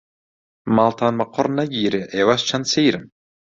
ماڵتان بە قوڕ نەگیرێ ئێوەش چەند سەیرن.